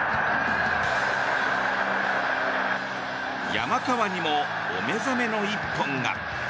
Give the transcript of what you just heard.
山川にもお目覚めの一本が。